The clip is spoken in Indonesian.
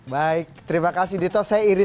baik terima kasih dito saya iris